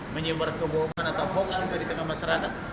menyebar kebohongan atau boks di tengah masyarakat